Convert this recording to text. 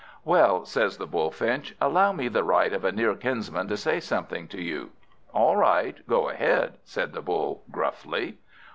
"Well," says the Bullfinch, "allow me the right of a near kinsman to say something to you." "All right, go ahead," said the Bull gruffly.